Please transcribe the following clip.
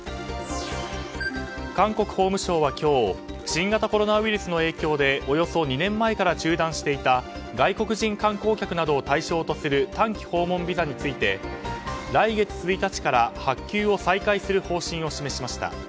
韓国法務省は今日新型コロナウイルスの影響でおよそ２年前から中断していた外国人観光客などを対象とする短期訪問ビザについて来月１日から発給を再開する方針を示しました。